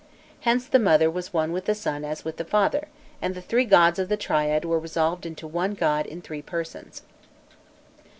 Hence the mother was one with the son as with the father, and the three gods of the triad were resolved into one god in three persons.